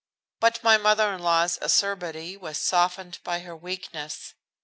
But my mother in law's acerbity was softened by her weakness.